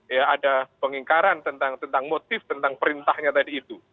ya ada pengingkaran tentang motif tentang perintahnya tadi itu